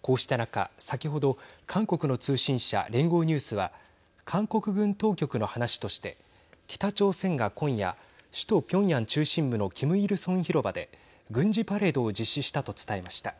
こうした中、先ほど韓国の通信社、連合ニュースは韓国軍当局の話として北朝鮮が今夜、首都ピョンヤン中心部のキム・イルソン広場で軍事パレードを実施したと伝えました。